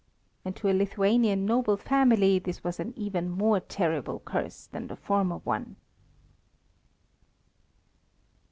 And to a Lithuanian noble family this was an even more terrible curse than the former one.